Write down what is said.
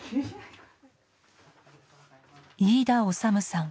飯田修さん